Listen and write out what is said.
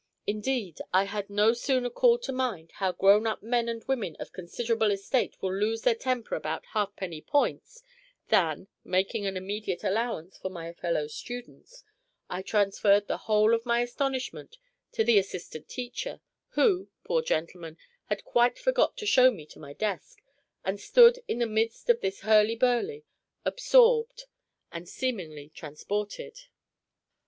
Indeed, I had no sooner called to mind how grown up men and women of considerable estate will lose their temper about half penny points, than (making an immediate allowance for my fellow students) I transferred the whole of my astonishment to the assistant teacher, who poor gentleman had quite forgot to show me to my desk, and stood in the midst of this hurly burly, absorbed and seemingly transported.